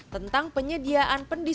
tentang penyediaan pendidikan